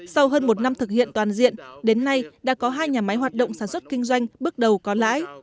sau hơn một năm thực hiện toàn diện đến nay đã có hai nhà máy hoạt động sản xuất kinh doanh bước đầu có lãi